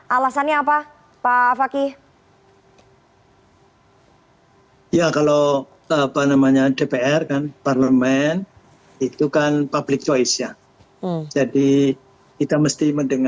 alasannya apa pak fakih